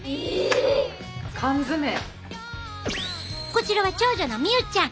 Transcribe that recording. こちらは長女のみゆちゃん。